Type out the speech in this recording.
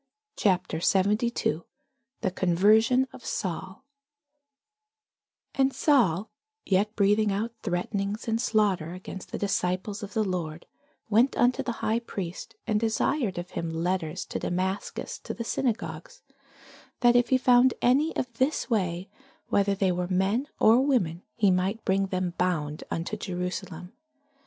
CHAPTER 72 THE CONVERSION OF SAUL AND Saul, yet breathing out threatenings and slaughter against the disciples of the Lord, went unto the high priest, and desired of him letters to Damascus to the synagogues, that if he found any of this way, whether they were men or women, he might bring them bound unto Jerusalem.